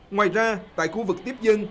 ngoài ra tại khu vực tiếp dân